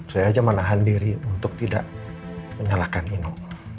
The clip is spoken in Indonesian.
saya aja menahan diri untuk tidak menyalahkan ini